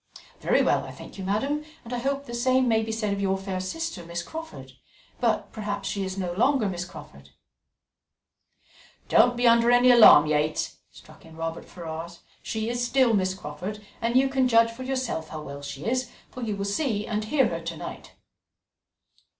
"Very well, I thank you, madam; and I hope the same may be said of your fair sister, Miss Crawford but perhaps she is no longer Miss Crawford?" "Don't be under any alarm, Yates," struck in Robert Ferrars; "she is still Miss Crawford, and you can judge for yourself how well she is, for you will see and hear her to night."